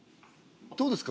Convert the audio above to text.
どうですか？